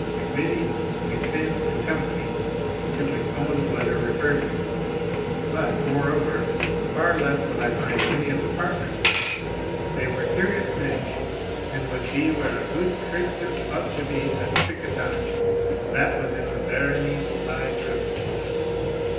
MacVittie, MacFin, and Company," to which Owen's letter referred me, but, moreover, "far less would I find any of the partners there. They were serious men, and wad be where a' gude Christians ought to be at sic a time, and that was in the Barony Laigh Kirk."